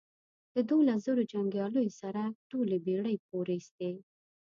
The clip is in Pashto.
له دوولس زرو جنګیالیو سره ټولې بېړۍ پورېستې.